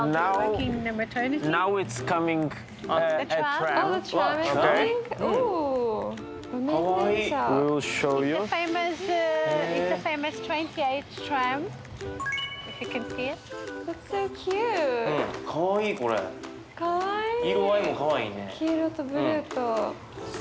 黄色とブルーと。